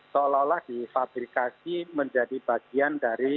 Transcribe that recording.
seolah olah difabrikasi menjadi bagian dari